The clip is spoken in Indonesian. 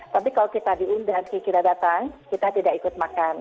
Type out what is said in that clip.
tapi kalau kita diundang saya kira datang kita tidak ikut makan